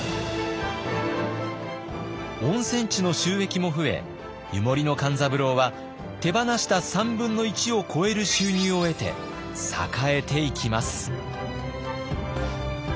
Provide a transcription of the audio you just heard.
温泉地の収益も増え湯守の勘三郎は手放した３分の１を超える収入を得て栄えていきます。